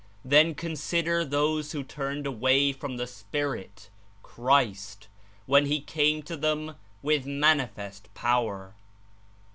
Then consider those who turned away from the Spirit (Christ) when He came to them with manifest power.